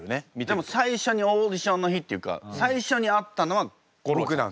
でも最初にオーディションの日っていうか最初に会ったのは吾郎くん。